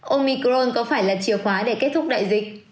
omicron có phải là chìa khóa để kết thúc đại dịch